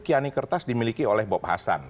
kiani kertas dimiliki oleh bob hasan